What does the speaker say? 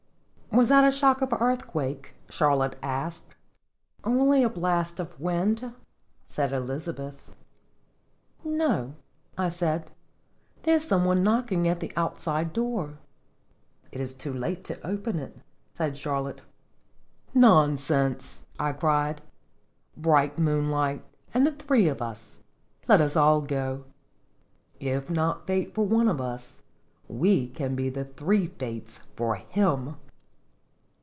" Was that a shock of earthquake?" Char lotte asked. " Only a blast of wind," said Elizabeth. Singeir Jflotljs. 41 " No," I said, "there is some one knocking at the outside door," "It is too late to open it," said Charlotte. " Nonsense !" I cried. " Bright moonlight, and three of us ! Let us all go. If not Fate for one of us, we can be the three Fates for him!"